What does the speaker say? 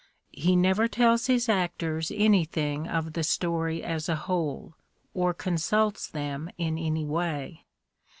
He never tells his actors anything of the story as a whole, or con sults them in any way.